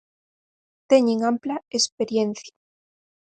Teñen ampla experiencia.